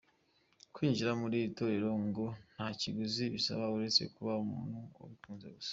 Kwinjira muri iri torero ngo ntakiguzi bisaba uretse kuba umuntu abikunze gusa.